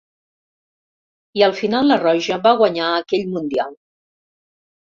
I al final la Roja va guanyar aquell Mundial.